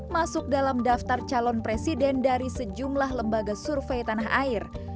masuk dalam daftar calon presiden dari sejumlah lembaga survei tanah air